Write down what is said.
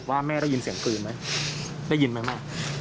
ว่าแม่ได้ยินเสียงปืนไหมได้ยินไหมแม่